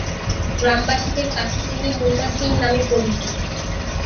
গ্রামবাসীদের কাছে তিনি মুন্না সিং নামে পরিচিত।